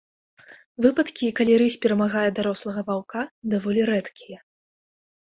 Выпадкі, калі рысь перамагае дарослага ваўка, даволі рэдкія.